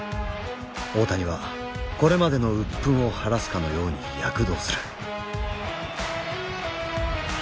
大谷はこれまでの鬱憤を晴らすかのように躍動する。